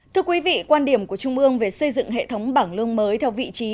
thưa quý vị quan điểm của trung ương về xây dựng hệ thống bảng lương mới theo vị trí